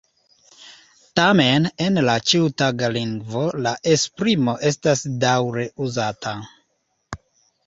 Tamen en la ĉiutaga lingvo la esprimo estas daŭre uzata.